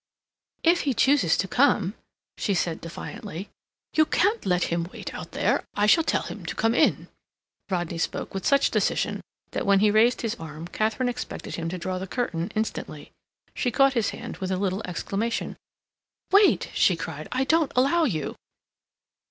"If he chooses to come—" she said defiantly. "You can't let him wait out there. I shall tell him to come in." Rodney spoke with such decision that when he raised his arm Katharine expected him to draw the curtain instantly. She caught his hand with a little exclamation. "Wait!" she cried. "I don't allow you."